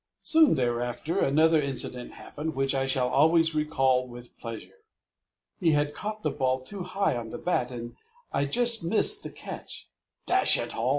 Soon thereafter another incident happened, which I shall always recall with pleasure. He had caught the ball too high on the bat, and I just missed the catch. "Dash it all!"